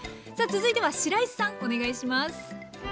さあ続いてはしらいさんお願いします！